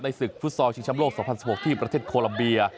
ศึกฟุตซอลชิงชำโลก๒๐๑๖ที่ประเทศโคลัมเบีย